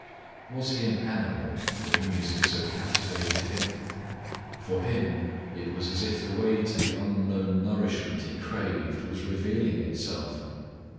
Was he an animal that music so captivated him? For him it was as if the way to the unknown nourishment he craved was revealing itself.